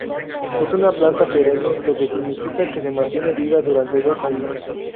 Es una planta perenne, lo que significa que se mantiene viva durante dos años.